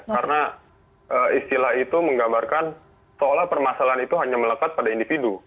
karena istilah itu menggambarkan seolah permasalahan itu hanya melekat pada individu